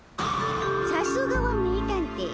さすがは名探偵。